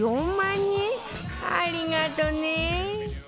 ありがとね